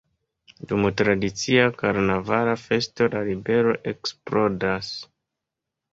Dum tradicia karnavala festo la ribelo eksplodas.